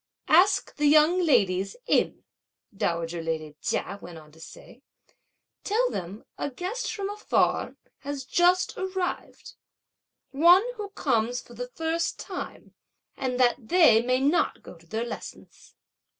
"Ask the young ladies in," dowager lady Chia went on to say; "tell them a guest from afar has just arrived, one who comes for the first time; and that they may not go to their lessons."